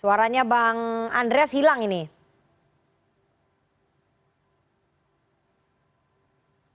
oke tampaknya kita mengalami kendala komunikasi dengan bang andreas